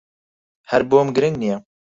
ھەر بۆم گرنگ نییە.